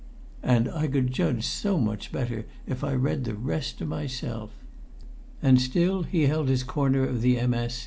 "And I could judge so much better if I read the rest to myself!" And still he held his corner of the MS.